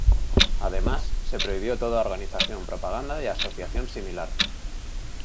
Además, se prohibió toda organización, propaganda y asociación similar.